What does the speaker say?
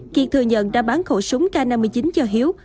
kiệt thừa nhận đã bán khẩu súng k năm mươi chín cho hiếu